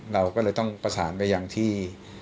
เราก็เลยต้องประสานไปอย่างที่